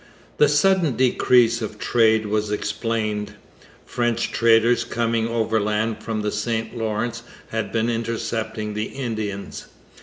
The sudden decrease of trade was explained. French traders coming overland from the St Lawrence had been intercepting the Indians.